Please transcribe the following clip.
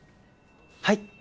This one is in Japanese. はい？